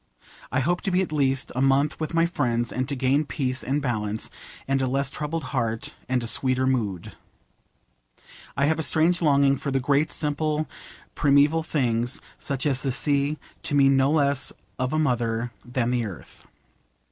I hope to be at least a month with my friends, and to gain peace and balance, and a less troubled heart, and a sweeter mood. I have a strange longing for the great simple primeval things, such as the sea, to me no less of a mother than the Earth.